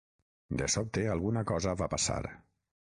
De sobte, alguna cosa va passar.